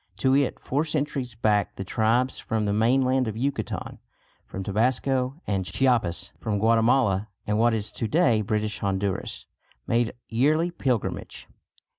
To it four centuries back the tribes from the mainland of Yucatan, from Tabasco and Chiapas, from Guatemala and what is to day British Honduras, made yearly pilgrimage.